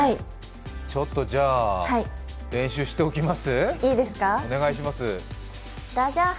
ちょっとじゃあ、練習しておきます？